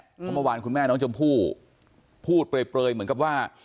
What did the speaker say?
เพราะเมื่อวานคุณแม่น้องชมพู่พูดเปลยเหมือนกับว่า